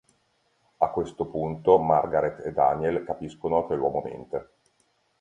A questo punto Margaret e Daniel capiscono che l'uomo mente.